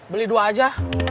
beli dua aja